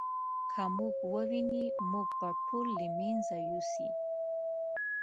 که موږ وویني موږ به ټول له منځه یوسي.